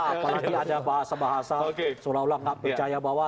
apalagi ada bahasa bahasa seolah olah nggak percaya bahwa